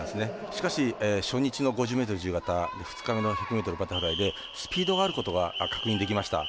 しかし、初日の５０ｍ自由形２日目の１００ｍバタフライでスピードがあることが確認できました。